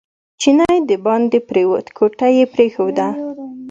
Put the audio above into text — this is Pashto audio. چینی دباندې پرېوت کوټه یې پرېښوده.